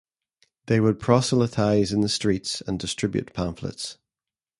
They would proselytize in the streets and distribute pamphlets.